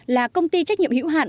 là công ty trách nhiệm hữu hạn